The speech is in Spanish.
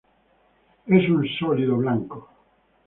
Es un sólido blanco.